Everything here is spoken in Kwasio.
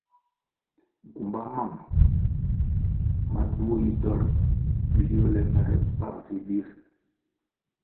Nkumba mam ma duo yi dol liole mere mbpap vi bir.